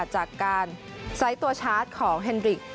จากการสไลด์ตัวชาร์จของ